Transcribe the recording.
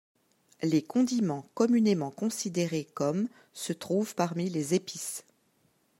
Les condiments communément considérés comme se trouvent parmi les épices.